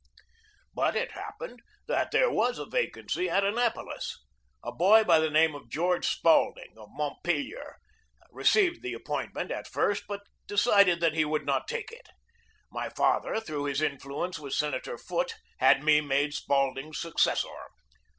But it happened that there was a vacancy at AT ANNAPOLIS 13 Annapolis. A boy by the name of George Spaul ding, of Montpelier, received the appointment at first, but decided that he would not take it. My fa ther, through his influence with Senator Foote, had me made Spaulding's successor.